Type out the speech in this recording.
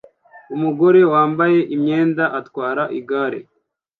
Umugore wambaye imyenda atwara igare